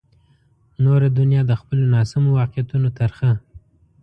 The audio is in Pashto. نوره دنیا د خپلو ناسمو واقعیتونو ترخه.